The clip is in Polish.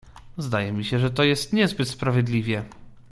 "Zdaje mi się, że to jest niezbyt sprawiedliwie."